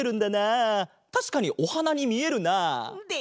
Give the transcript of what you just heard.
たしかにおはなにみえるな。でしょう？